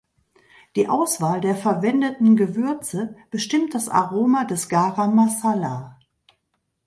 Die Auswahl der verwendeten Gewürze bestimmt das Aroma des Garam Masala.